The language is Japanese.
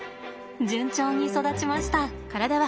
順調に育ちました。